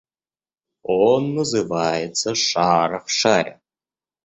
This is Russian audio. Он называется «Шар в шаре».